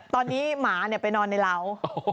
ตอนนี้หมาไปนอนในเหล้า